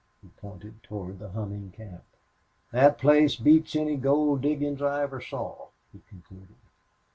He pointed toward the humming camp. "That place beats any gold diggings I ever saw," he concluded.